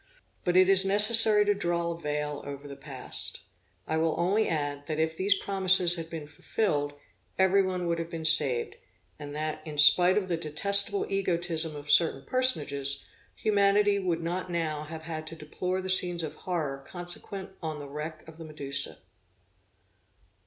But it is necessary to draw a veil over the past. I will only add, that if these promises had been fulfilled, every one would have been saved, and that, in spite of the detestable egotism of certain personages, humanity would not now have had to deplore the scenes of horror consequent on the wreck of the Medusa.